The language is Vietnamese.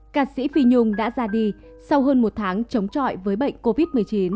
ca sĩ phi nhung đã ra đi sau hơn một tháng chống trọi với bệnh covid một mươi chín